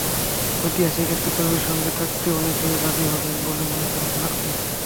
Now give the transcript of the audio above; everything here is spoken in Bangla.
ঐতিহাসিক একটি ছবির সঙ্গে থাকতে অনেকেই রাজি হবেন বলে মনে করছেন আতিক।